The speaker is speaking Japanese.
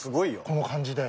この感じで。